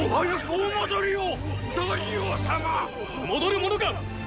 戻るものか！